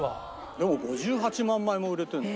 でも５８万枚も売れてるんだ。